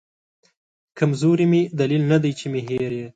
کمزوري مې دلیل ندی چې مې هېر یې